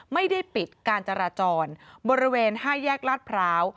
ไม่ได้ปิดการจราจรบริเวณ๕แยกลาดพร้าว